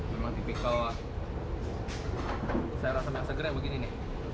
memang tipikal sayur asem yang segera begini nih